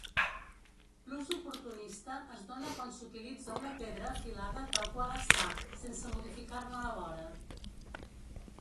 L'ús oportunista es dóna quan s'utilitza una pedra afilada tal qual està, sense modificar-ne la vora.